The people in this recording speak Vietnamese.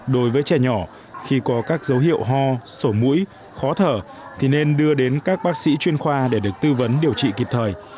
đối với trẻ nhỏ khi có các dấu hiệu ho sổ mũi khó thở thì nên đưa đến các bác sĩ chuyên khoa để được tư vấn điều trị kịp thời